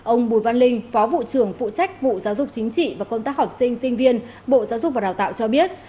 ông bùi văn linh phó vụ trưởng phụ trách vụ giáo dục chính trị và công tác học sinh sinh viên bộ giáo dục và đào tạo cho biết